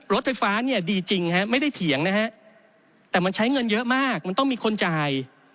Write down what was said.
รถไฟฟ้าเนี่ยดีจริงฮะไม่ได้เถียงนะฮะแต่มันใช้เงินเยอะมากมันต้องมีคนจ่าย